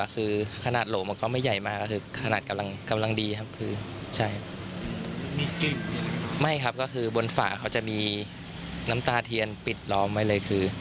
คือใช่มีกลิ่นไม่ครับก็คือบนฝ่าเขาจะมีน้ำตาเทียนปิดล้อมไว้เลยคือ